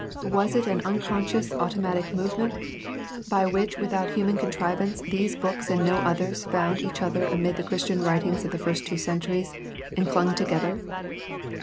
Was it an unconscious automatic movement, by which without human contrivance these books and no others found each other amid the Christian writings of the first two centuries and clung together?